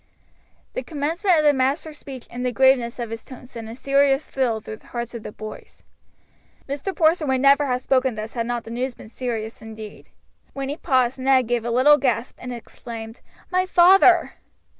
The commencement of the master's speech and the graveness of his tone sent a serious thrill through the hearts of the boys. Mr. Porson would never have spoken thus had not the news been serious indeed. When he paused Ned gave a little gasp and exclaimed, "My father!"